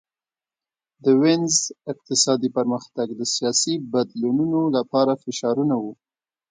د وینز اقتصادي پرمختګ د سیاسي بدلونونو لپاره فشارونه وو